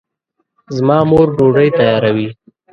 زما مور ډوډۍ تیاروي